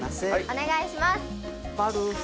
お願いします。